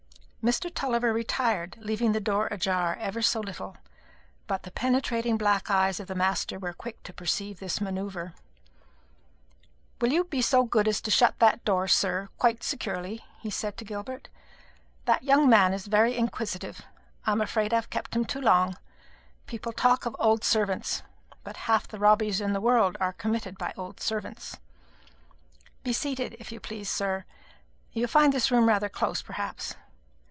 Mr. Tulliver retired, leaving the door ajar ever so little; but the penetrating black eyes of the master were quick to perceive this manoeuvre. "Will you be so good as to shut that door, sir, quite securely?" he said to Gilbert. "That young man is very inquisitive; I'm afraid I've kept him too long. People talk of old servants; but half the robberies in the world are committed by old servants. Be seated, if you please, sir. You find this room rather close, perhaps.